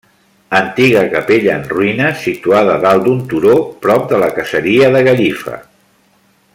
Antiga capella en ruïnes, situada dalt d'un turó, prop de la caseria de Gallifa.